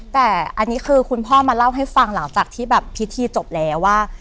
แต่อันนี้คือคุณพ่อมาเล่าให้ฟังหลังจากที่แบบพิธีจบแล้วว่า